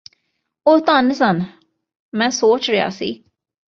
ਉਹ ਧੰਨ ਸਨ ਮੈਂ ਸੋਚ ਰਿਹਾ ਸੀ